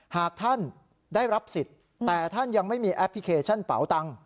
หากท่านได้รับสิทธิ์แต่ท่านยังไม่มีแอปพลิเคชันเป๋าตังค